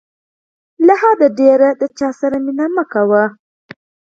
له حده ډېر د چاسره مینه مه کوه.